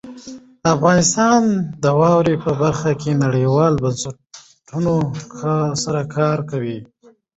افغانستان د وادي په برخه کې نړیوالو بنسټونو سره کار کوي.